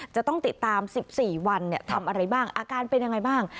จะต้องติดตาม๑๔วันทำอะไรบ้างอาการเป็นยังไงบ้าง